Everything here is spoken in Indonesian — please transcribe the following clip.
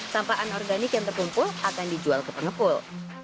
sampahan organik yang terkumpul akan dijual ke pengepul